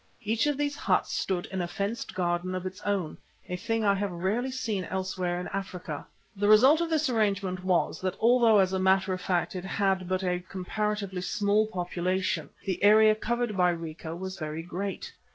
Each of these huts stood in a fenced garden of its own, a thing I have rarely seen elsewhere in Africa. The result of this arrangement was that although as a matter of fact it had but a comparatively small population, the area covered by Rica was very great.